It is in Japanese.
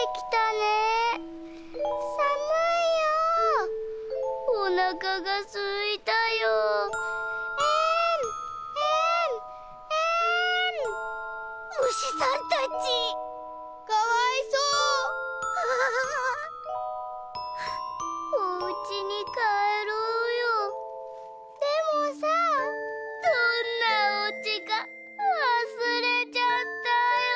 「どんなおうちかわすれちゃったよ」。